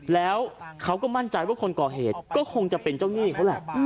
แล้วเขาก็มั่นใจว่าคนก่อเหตุก็คงจะเป็นเจ้าหนี้เขาแหละ